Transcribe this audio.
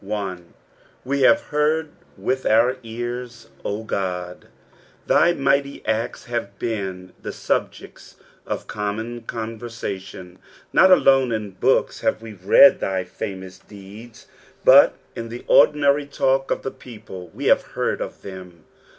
1. "We have heard teith our tart, 0 Ood." Thy might; acta have been the (ubjects o( common conversatioD ; not alone in books have we read thy Fumous deeds, but in the ordinary talk of the people we have heard of them.